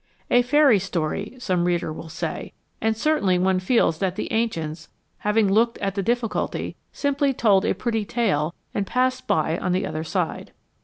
" A fairy story," some reader will say ; and certainly one feels that the ancients, having looked at the difficulty, simply told n pretty tale and passed by on the other side.